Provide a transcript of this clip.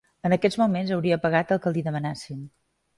En aquests moments hauria pagat el que li demanessin.